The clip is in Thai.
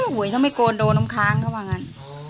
แล้วเฮ้ยเขาไม่โกนโดนน้ำค้างเขาบอกงั้น